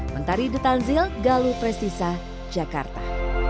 mentari ditanzil galu prestisa jakarta